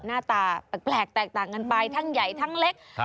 หน้าตาแปลกแตกต่างกันไปทั้งใหญ่ทั้งเล็ก